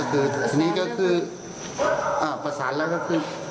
คือทีนี้ก็คือประสานแล้วก็คือ